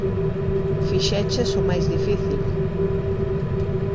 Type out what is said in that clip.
Fixeches o máis difícil.